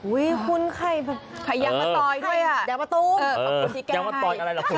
อุ๊ยคุณใครยังมาตอยด้วยอ่ะยังมาตุ้มขอบคุณที่แก้ให้ยังมาตอยอะไรล่ะคุณ